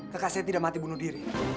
kakak saya tidak mati bunuh diri